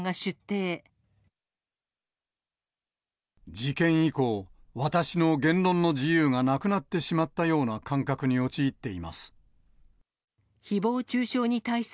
事件以降、私の言論の自由がなくなってしまったような感覚に陥っています。